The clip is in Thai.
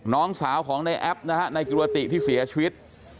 น้องสาวของในแอปนะฮะในกิรติที่เสียชีวิต